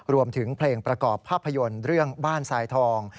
รวมถึงเพลงประกอบภาพยนตร์เรื่องบ้านทรายทอง